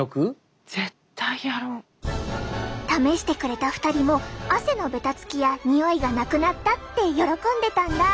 試してくれた２人も汗のベタつきやにおいがなくなったって喜んでたんだ！